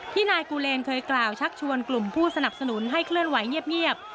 นายกูเลนเคยกล่าวชักชวนกลุ่มผู้สนับสนุนให้เคลื่อนไหวเงียบ